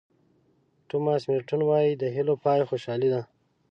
توماس مېرټون وایي د هیلو پای خوشالي ده.